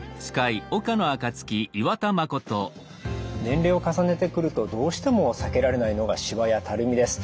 年齢を重ねてくるとどうしても避けられないのがしわやたるみです。